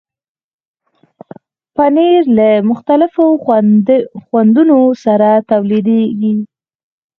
پنېر له مختلفو خوندونو سره تولیدېږي.